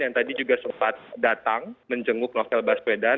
yang tadi juga sempat datang menjenguk novel baswedan